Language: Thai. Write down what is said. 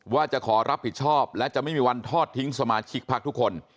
ว่าจะขอรับผิดชอบและจะไม่มีวันทอดทิ้งสมาชิกพักทุกคน